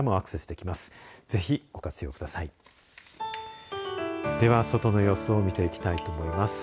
では外の様子を見ていきたいと思います。